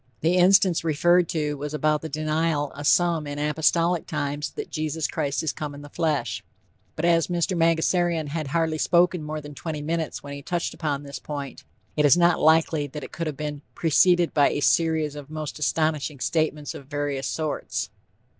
The instance referred to was about the denial of some in apostolic times that "Jesus Christ is come in the flesh." But as Mr. Mangasarian had hardly spoken more than twenty minutes when he touched upon this point, it is not likely that it could have been "preceded by a series of most astonishing statements of various sorts."